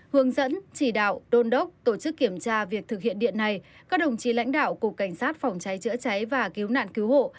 hướng dẫn chỉ đạo đôn đốc tổ chức kiểm tra việc thực hiện điện này các đồng chí lãnh đạo cục cảnh sát phòng cháy chữa cháy và cứu nạn cứu hộ